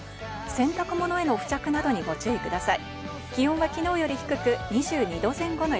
洗濯物への付着などにご注意ください。